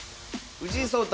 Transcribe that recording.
藤井聡太